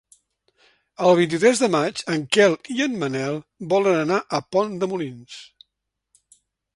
El vint-i-tres de maig en Quel i en Manel volen anar a Pont de Molins.